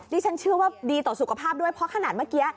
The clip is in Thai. ฉันเชื่อว่าดีต่อสุขภาพด้วยเพราะขนาดเมื่อกี้